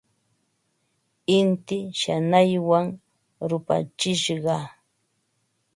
Inti shanaywan rupachishqa.